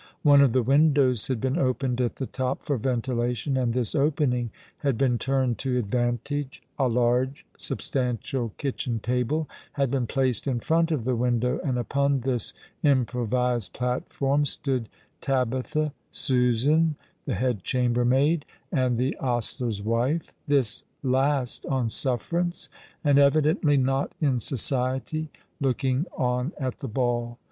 One of the windows had been opened at the top for ventilation, and this opening had been turned to advan tage. A large, substantial kitchen table had been placed in front of the window, and upon this improvised platform stood Tabitha, Susan, the head chamber maid, and tho ostler's wife — this last on sufferance, and evidently not in society— looking on at the ball.